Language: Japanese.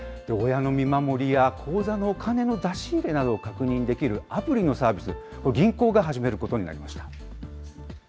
親の見守りや口座のお金の出し入れなどを確認できるアプリのサービス、銀行が始めることになりました。